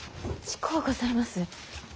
近うございます。